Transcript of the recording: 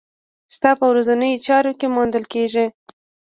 ستا په ورځنيو چارو کې موندل کېږي.